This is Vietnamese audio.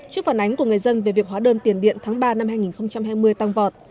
trước phản ánh của người dân về việc hóa đơn tiền điện tháng ba năm hai nghìn hai mươi tăng vọt